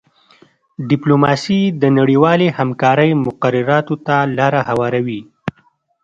ډیپلوماسي د نړیوالې همکارۍ مقرراتو ته لاره هواروي